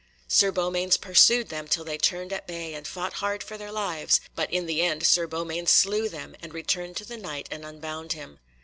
Sir Beaumains pursued them till they turned at bay, and fought hard for their lives; but in the end Sir Beaumains slew them, and returned to the Knight and unbound him.